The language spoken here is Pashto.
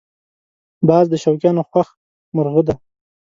باز د شوقیانو خوښ مرغه دی